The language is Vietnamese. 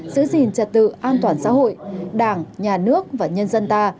giữ gìn trật tự an toàn xã hội đảng nhà nước và nhân dân ta